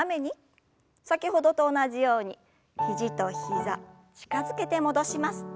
先ほどと同じように肘と膝近づけて戻します。